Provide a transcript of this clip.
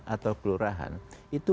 atau kelurahan itu